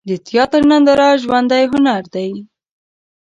د تیاتر ننداره ژوندی هنر دی.